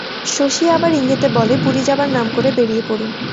শশী আবার ইঙ্গিতে বলে, পুরী যাবার নাম করে বেরিয়ে পড়ুন।